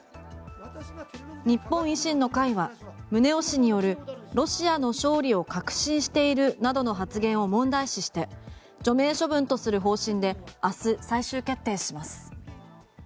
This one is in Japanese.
日本維新の会は宗男氏によるロシアの勝利を確信しているなどの発言を問題視して除名処分とする方針で明日最終決定します。